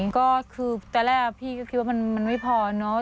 ก็คือตอนแรกพี่ก็คิดว่ามันไม่พอเนอะ